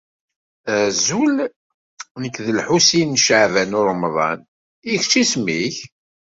Azul. Nekk d Lḥusin n Caɛban u Ṛemḍan. I kečč isem-ik?